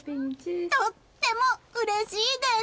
とてもうれしいです！